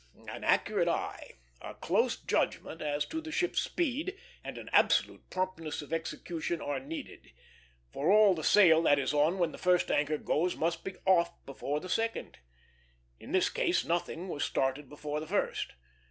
An accurate eye, a close judgment as to the ship's speed, and absolute promptness of execution are needed; for all the sail that is on when the first anchor goes must be off before the second. In this case nothing was started before the first.